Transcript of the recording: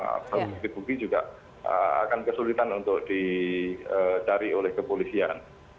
dan bukit bukit juga akan kesulitan untuk dicari oleh kepolisian